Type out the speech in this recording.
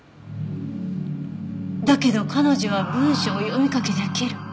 だけど彼女は文章を読み書き出来る。